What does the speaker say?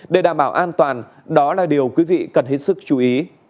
để đảm bảo an toàn đó là điều quý vị cần hết sức chú ý